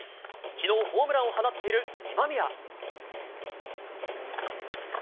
きのうホームランを放っている今宮。